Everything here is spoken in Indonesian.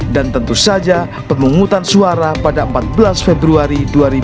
dan tentu saja pemungutan suara pada empat belas februari dua ribu dua puluh empat